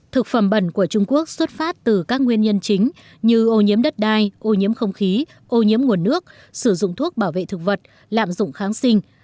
thực phẩm bẩn của trung quốc xuất phát từ các nguyên nhân chính như ô nhiễm đất đai ô nhiễm không khí ô nhiễm nguồn nước sử dụng thuốc bảo vệ thực vật lạm dụng kháng sinh